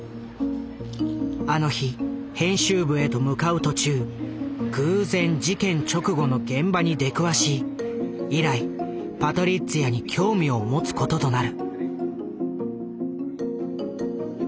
あの日編集部へと向かう途中偶然事件直後の現場に出くわし以来パトリッツィアに興味を持つこととなる。